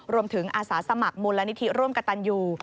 อาสาสมัครมูลนิธิร่วมกับตันยู